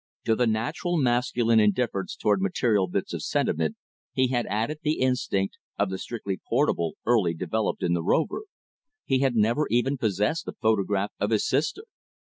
To the natural masculine indifference toward material bits of sentiment he had added the instinct of the strictly portable early developed in the rover. He had never even possessed a photograph of his sister.